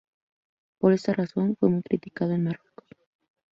Por esta razón, fue muy criticado en Marruecos.